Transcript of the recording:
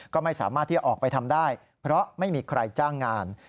ก็ไม่สามารถที่จะออกไปทำได้เพราะไม่มีใครจ้างงาน